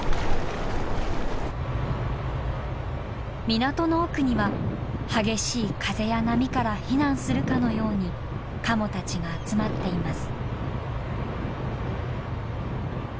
港の奥には激しい風や波から避難するかのようにカモたちが集まっています。